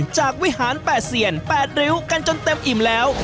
จากวิหารแปดเซียนแปดริ้วกันจนเต็มอิ่มแล้ว